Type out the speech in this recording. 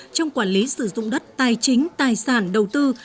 trong quản lý sử dụng đất tài chính tài sản đầu tư